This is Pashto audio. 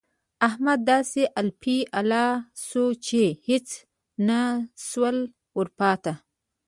احمد داسې الپی الا سو چې هيڅ نه شول ورپاته.